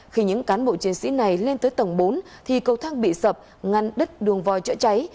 khi những cán bộ chiến sĩ này lên tới tầng bốn thì cầu thăng bị sập ngăn đứt đường vòi chữa cháy